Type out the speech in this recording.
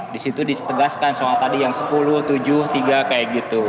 di situ ditegaskan soal tadi yang sepuluh tujuh tiga kayak gitu